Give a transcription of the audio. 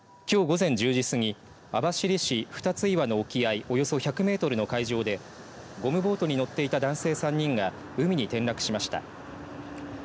きょう午前１０時過ぎ網走市二ツ岩の沖合およそ１００メートルの海上でゴムボートに乗っていた男性３人が海に転落しました。